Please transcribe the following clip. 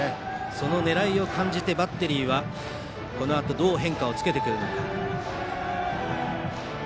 その狙いを感じてバッテリーはこのあとどう変化をつけるか。